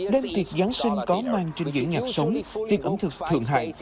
đêm tiệc giáng sinh có mang trình diễn nhạc sống tiệc ẩm thực thượng hại